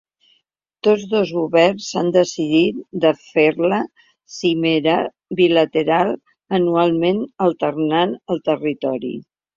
Tots dos governs han decidit de fer la cimera bilateral anualment alternant el territori.